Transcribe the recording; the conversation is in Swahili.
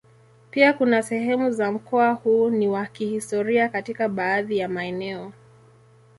Pia kuna sehemu za mkoa huu ni wa kihistoria katika baadhi ya maeneo.